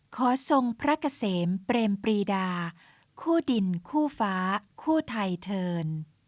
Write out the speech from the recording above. ทรงพระเกษมเปรมปรีดาคู่ดินคู่ฟ้าคู่ไทเทิร์น